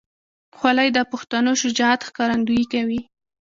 خولۍ د پښتنو شجاعت ښکارندویي کوي.